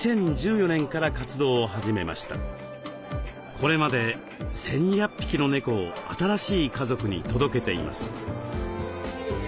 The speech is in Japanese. これまで１，２００匹の猫を新しい家族に届けています。